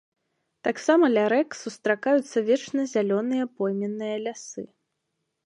Таксама ля рэк сустракаюцца вечназялёныя пойменныя лясы.